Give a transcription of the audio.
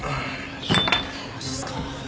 マジっすか。